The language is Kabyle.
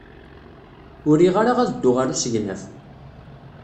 Ur riɣ ara ad dduɣ ɣer usegnaf.